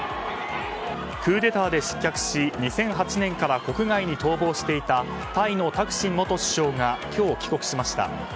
クーデターで失脚し２００８年から国外に逃亡していたタイのタクシン元首相が今日、帰国しました。